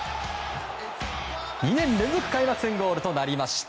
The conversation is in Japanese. ２年連続開幕戦ゴールとなりました。